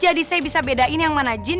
jadi saya bisa bedain yang mana jinn